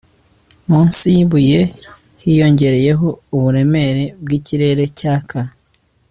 Munsi yibuye hiyongereyeho uburemere bwikirere cyaka